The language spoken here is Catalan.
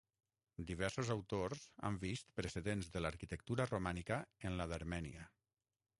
Diversos autors han vist precedents de l'arquitectura romànica en la d'Armènia.